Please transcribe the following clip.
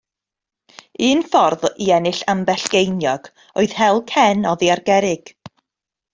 Un ffordd i ennill ambell geiniog oedd hel cen oddi ar gerrig.